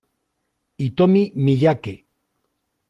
Hitomi Miyake